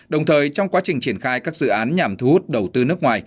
đồng thời trong quá trình triển khai các dự án nhằm thu hút đầu tư nước ngoài